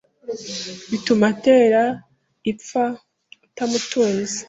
Bituma atera ipfa utamutunze !